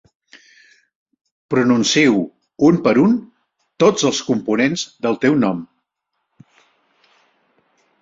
Pronuncio, un per un, tots els components del teu nom.